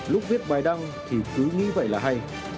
lúc viết bài đăng thì cứ nghĩ vậy là hay